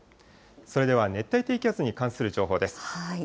それでは熱帯低気圧に関する情報です。